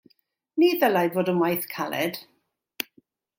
Ni ddylai fod yn waith caled.